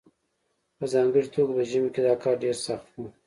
په ځانګړې توګه په ژمي کې دا کار ډیر سخت وي